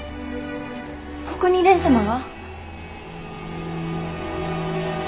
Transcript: ここに蓮様が？